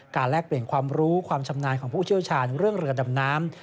แลกเปลี่ยนความรู้ความชำนาญของผู้เชี่ยวชาญเรื่องเรือดำน้ำ